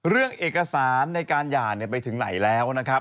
เรื่องเอกสารในการหย่าไปถึงไหนแล้วนะครับ